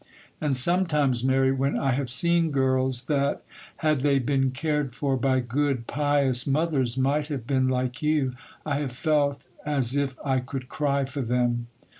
And sometimes, Mary, when I have seen girls that, had they been cared for by good, pious mothers, might have been like you, I have felt as if I could cry for them.